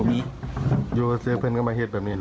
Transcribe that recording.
ไม่เป็นอะไรโทษ